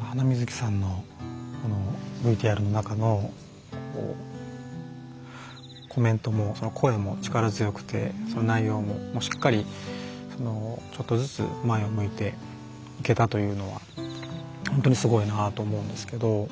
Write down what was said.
ハナミズキさんのＶＴＲの中のコメントも声も力強くて内容もしっかり、ちょっとずつ前を向いていけたというのは本当にすごいなと思うんですけど。